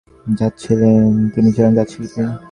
তিনি ছিলেন জাত শিল্পী।